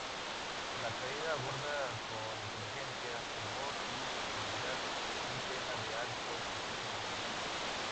La Caída aborda con inteligencia, humor y sensibilidad un tema de alto contenido dramático.